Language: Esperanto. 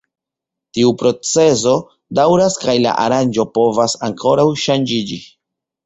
Tiu procezo daŭras kaj la aranĝo povas ankoraŭ ŝanĝiĝi.